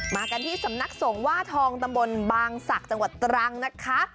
มากันที่สำนักสงฆ์ว่าทองตำบลบางศักดิ์จังหวัดตรังนะคะ